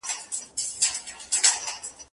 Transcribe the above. چي مي نظم ته هر توری ژوبل راسي